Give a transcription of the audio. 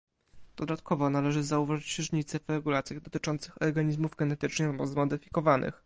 Dodatkowo należy zauważyć różnicę w regulacjach dotyczących organizmów genetycznie zmodyfikowanych